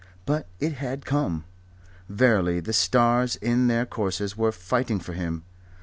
But it had come. Verily the stars in their courses were fighting for him.